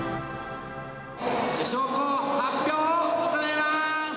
受賞校の発表を行います。